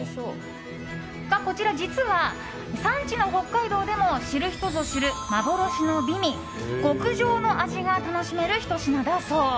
こちら実は産地の北海道でも知る人ぞ知る幻の美味、極上の味が楽しめるひと品だそう。